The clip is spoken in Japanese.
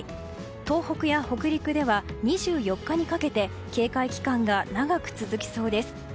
東北や北陸では２４日にかけて警戒期間が長く続きそうです。